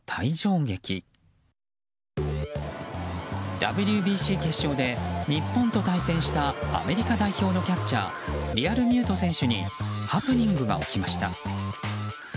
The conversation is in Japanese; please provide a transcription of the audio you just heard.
ＷＢＣ決勝で日本と対戦したアメリカ代表のキャッチャーリアルミュート選手にハプニングが起きました。